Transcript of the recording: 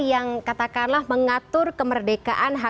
yang mengatur kemerdekaan